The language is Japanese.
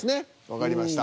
わかりました。